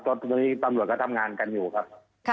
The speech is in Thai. ตอนนี้ตำรวจก็ทำงานกันอยู่ครับ